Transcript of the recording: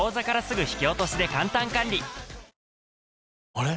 あれ？